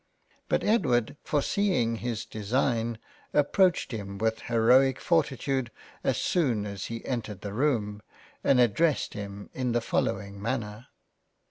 But Edward foreseeing his design, ap proached him with heroic fortitude as soon as he entered the Room, and addressed him in the following Manner.